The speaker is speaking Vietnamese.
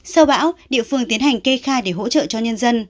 sau bão địa phương tiến hành kê khai để hỗ trợ cho nhân dân